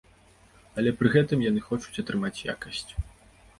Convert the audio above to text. Але пры гэтым яны хочуць атрымаць якасць.